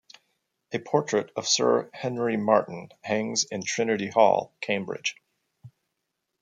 A portrait of Sir Henry Martin hangs in Trinity Hall, Cambridge.